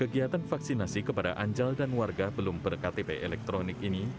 kegiatan vaksinasi kepada anjal dan warga belum berktp elektronik ini